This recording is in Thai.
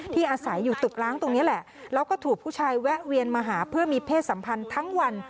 อาศัยอยู่ตึกล้างตรงนี้แหละแล้วก็ถูกผู้ชายแวะเวียนมาหาเพื่อมีเพศสัมพันธ์ทั้งวัน